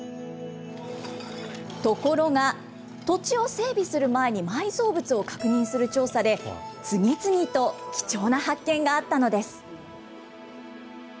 ところが、土地を整備する前に埋蔵物を確認する調査で次々と貴重な発見があったのです。